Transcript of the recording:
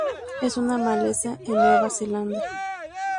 Es una maleza en Nueva Zelanda.